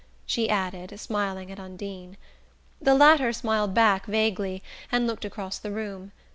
she added, smiling at Undine. The latter smiled back vaguely, and looked across the room.